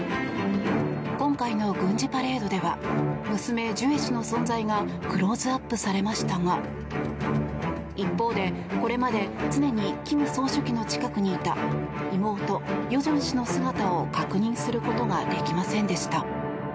今回の軍事パレードでは娘・ジュエ氏の存在がクローズアップされましたが一方で、これまで常に金総書記の近くにいた妹・与正氏の姿を確認することができませんでした。